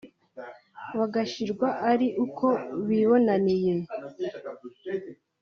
bagashirwa ari uko bibonaniye